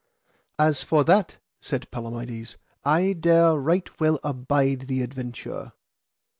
As for that, said Palamides, I dare right well abide the adventure.